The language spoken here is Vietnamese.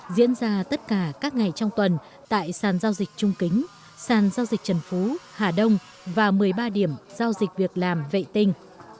diễn ra tất cả các ngày trong tuần tại sàn giao dịch trung kính sàn giao dịch trần phú hà đông và một mươi ba điểm giao dịch việc làm vệ tinh